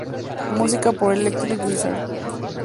Música por Electric Wizard.